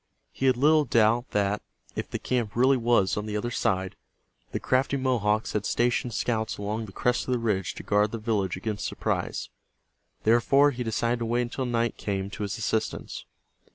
He had little doubt that, if the camp really was on the other side, the crafty Mohawks had stationed scouts along the crest of the ridge to guard the village against surprise. Therefore, he decided to wait until night came to his assistance.